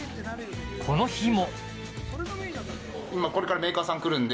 この日も。